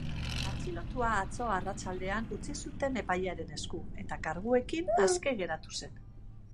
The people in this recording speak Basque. Atxilotua atzo arratsaldean utzi zuten epailearen esku, eta karguekin aske geratu zen.